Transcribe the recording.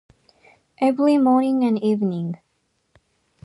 Every morning and evening.